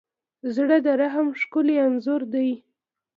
زړه د رحم ښکلی انځور دی.